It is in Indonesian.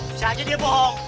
bisa aja dia bohong